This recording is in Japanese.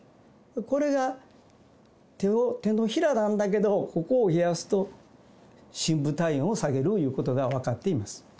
これが、手のひらなんだけど、ここを冷やすと深部体温を下げるということが分かっています。